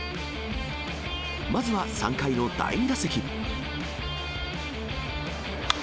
まずは３回の第２打席。